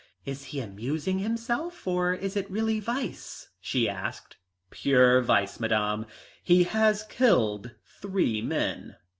"Is he amusing himself, or is it really vice?" she asked. "Pure vice, Madame. He has killed three men."